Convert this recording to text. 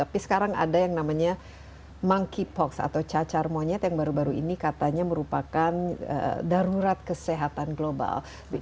tapi sekarang ada yang namanya monkeypox atau cacar monyet yang baru baru ini katanya merupakan darurat kesehatan global